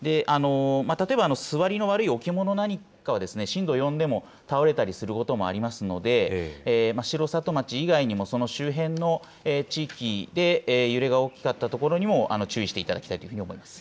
例えば、すわりの悪い置物なんかでは震度４でも倒れたりすることもありますので、城里町以外にも、その周辺の地域で揺れが大きかった所にも、注意していただきたいというふうに思います。